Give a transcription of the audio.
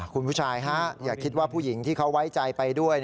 คุณผู้ชายอย่าคิดว่าผู้หญิงที่เขาไว้ใจไปด้วย